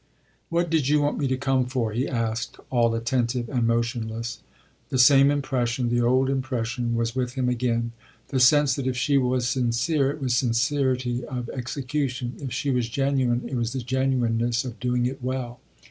"What did you want me to come for?" he asked, all attentive and motionless. The same impression, the old impression, was with him again; the sense that if she was sincere it was sincerity of execution, if she was genuine it was the genuineness of doing it well.